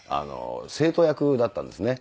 生徒役だったんですね。